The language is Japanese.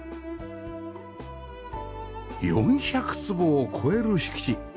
４００坪を超える敷地